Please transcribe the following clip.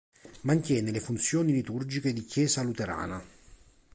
Mantiene le funzioni liturgiche di chiesa luterana.